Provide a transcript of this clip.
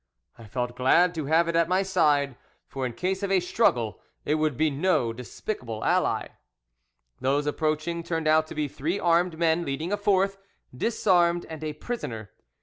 I felt glad to have it at my side, for in case of a struggle it would be no despicable ally. Those approaching turned out to be three armed men leading a fourth, disarmed and a prisoner.